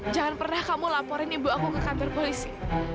jangan pernah kamu laporin ibu aku ke kantor polisi